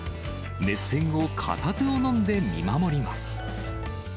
熱戦を固唾をのんで見守ります。